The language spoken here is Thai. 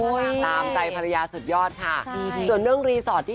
ก็แทบไม่รับงานเลยตอนนี้